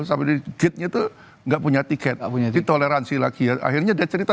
sampai di gate nya itu nggak punya tiket tidak punya tiket ditoleransi lagi akhirnya dia cerita